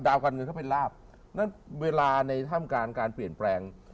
ดาวกันเงินเขาเป็นลาภนั่นเวลาในท่ามการการเปลี่ยนแปลง